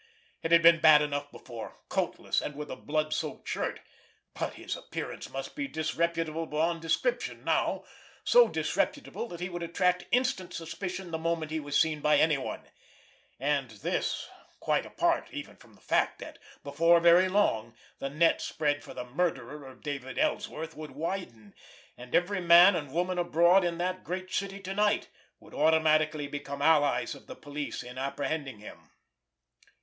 It had been bad enough before—coatless, and with a blood soaked shirt—but his appearance must be disreputable beyond description now, so disreputable that he would attract instant suspicion the moment he were seen by anyone, and this quite apart even from the fact that before very long the net spread for the "murderer" of David Ellsworth would widen, and every man and woman abroad in that great city to night would automatically become allies of the police in apprehending him.